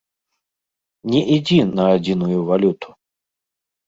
Не ідзі на адзіную валюту!